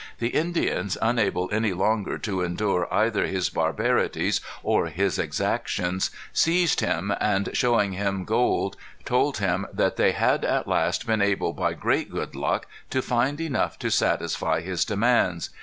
The Indians, unable any longer to endure either his barbarities or his exactions, seized him, and showing him gold, told him that they had at last been able, by great good luck, to find enough to satisfy his demands.